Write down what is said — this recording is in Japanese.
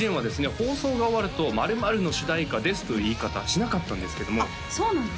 放送が終わると「○○の主題歌です」という言い方しなかったんですけどもあっそうなんですね